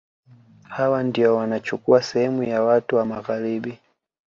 Hawa ndio wanachukua sehemu ya watu wa Magharibi